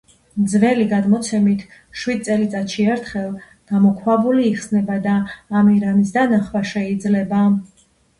ძველი გადმოცემით შვიდ წელიწადში ერთხელ გამოქვაბული იხსნება და ამირანის დანახვა შეიძლება.